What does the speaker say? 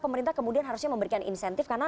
pemerintah kemudian harusnya memberikan insentif karena